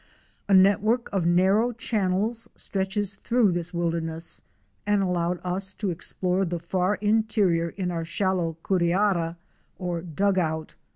A network of narrow channels stretches through this wilderness and allowed us to explore the far interior in our shallow curiara or dug out.